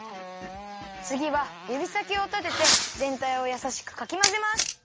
つぎはゆびさきをたててぜんたいをやさしくかきまぜます。